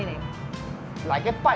ini adalah pipi